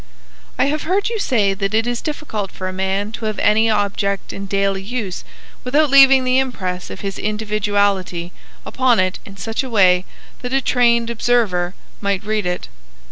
"I have heard you say that it is difficult for a man to have any object in daily use without leaving the impress of his individuality upon it in such a way that a trained observer might read it.